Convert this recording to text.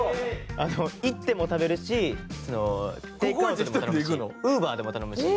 行っても食べるしテイクアウトでも食べるしＵｂｅｒでも頼むし。